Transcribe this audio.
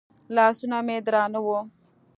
لاسونه مې درانه وو.